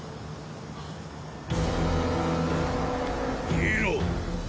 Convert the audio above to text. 見ろ。